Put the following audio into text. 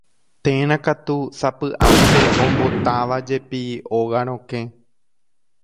Térã katu sapy'ánte ombotávajepi óga rokẽ.